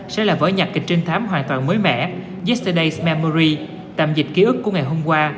sẽ là vỡ nhạc kịch trinh thám hoàn toàn mới mẻ yesterday s memory tạm dịch ký ức của ngày hôm qua